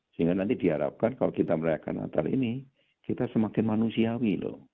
sehingga nanti diharapkan kalau kita merayakan natal ini kita semakin manusiawi loh